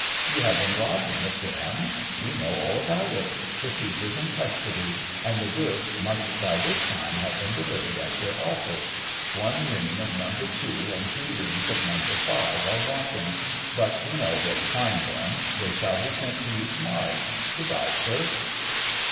"You've been robbed, Mr. M . We know all about it. The thief is in custody, and the goods must by this time have been delivered at your office. One ream of No. 2 and two reams of No. 5 are wanting; but we know where to find them. They shall be sent to you to morrow. Good bye, sir."